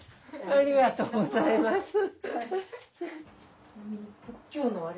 ありがとうございますフフフ。